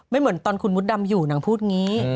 เหมือนตอนคุณมดดำอยู่นางพูดอย่างนี้